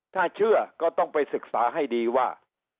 ถ้าเชื่อก็ต้องไปศึกษาให้ดีว่า